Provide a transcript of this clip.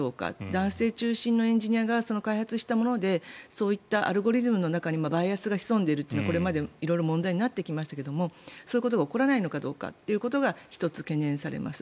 男性中心のエンジニアが開発したものでそういったアルゴリズムの中にバイアスが潜んでいるというのはこれまで色々問題になってきましたけれどもそういうことが起こらないかどうかというのが１つ、懸念されます。